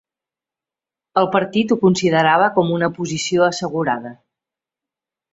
El partit ho considerava com una posició assegurada.